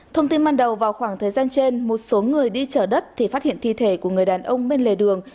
thông tin ban đầu vào khoảng thời gian trên một số người đi chở đất thì phát hiện thi thể của người đàn ông bên lề đường